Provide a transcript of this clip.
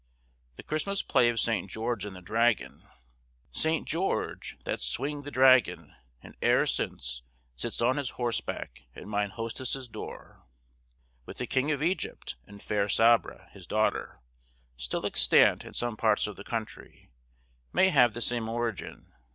The Christmas play of St. George and the Dragon— "St. George! that swindg'd the dragon, and e'er since Sits on his horseback, at mine hostess' door,"— with the King of Egypt, and fair Sabra, his daughter, still extant in some parts of the country, may have the same origin.